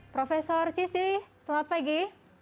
prof cissy selamat pagi